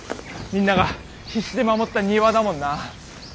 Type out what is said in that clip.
みんなが必死で守った庭だもんな。